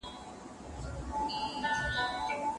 د اولادونو تر منځ دي له فرق څخه ډډه وسي.